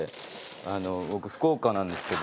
あの僕福岡なんですけど。